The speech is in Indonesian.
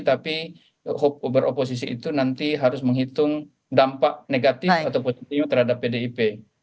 tapi over oposisi itu nanti harus menghitung dampak negatif atau potensi terhadap pdip